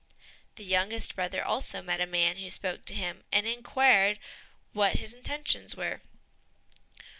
The youngest brother also met a man who spoke to him, and inquired what his intentions were.